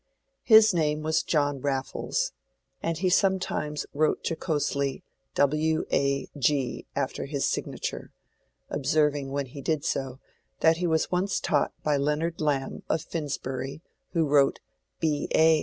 His name was John Raffles, and he sometimes wrote jocosely W.A.G. after his signature, observing when he did so, that he was once taught by Leonard Lamb of Finsbury who wrote B.A.